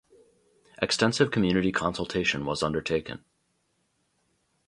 Extensive community consultation was undertaken.